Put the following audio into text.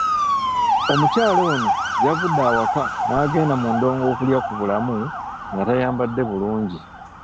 Omukyala ono yavude awaka n'agenda mu ndongo okulya kubulamu nga tayambadde bulungi.